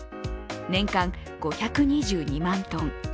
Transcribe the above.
年間５２２万トン。